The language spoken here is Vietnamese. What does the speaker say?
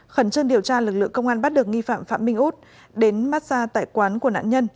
khẩn trương điều tra lực lượng công an bắt được nghi phạm phạm minh út đến mát xa tại quán của nạn nhân